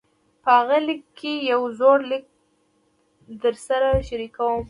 پۀ هغه ليکلے يو زوړ ليک درسره شريکووم -